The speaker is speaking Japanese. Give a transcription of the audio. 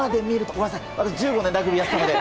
ごめんなさい、１５年ラグビーをやってたので。